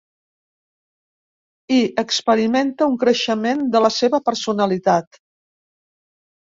I experimenta un creixement de la seva personalitat.